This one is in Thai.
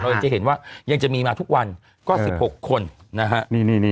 เราจะเห็นว่ายังจะมีมาทุกวันก็๑๖คนนะฮะ